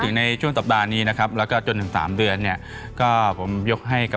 เสน่ห์แรงจนงานเข้า